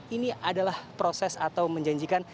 ini adalah proses atau menjanjikan